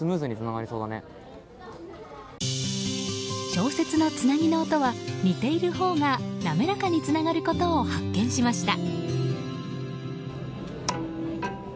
小節のつなぎの音は似ているほうが滑らかにつながることを発見しました。